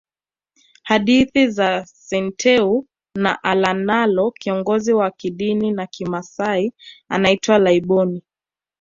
Hadithi ya Senteu na Olanana Kiongozi wa kidini wa kimasai anaitwa Laiboni